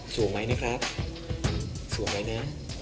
สูงไหมนะครับสูงไหมนะ